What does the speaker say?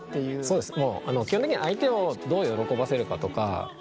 そうです。